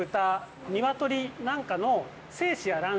なんかの。